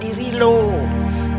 jadi gue mau ngomongin